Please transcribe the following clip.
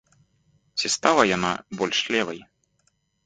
Ці стала яна больш левай?